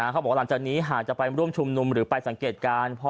หลังจากนี้หากจะไปร่วมชุมนุมหรือไปสังเกตการณ์